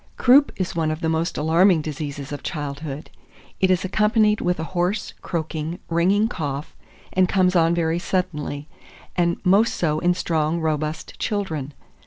2407. Croup is one of the most alarming diseases of childhood; it is accompanied with a hoarse, croaking, ringing cough, and comes on very suddenly, and most so in strong, robust children.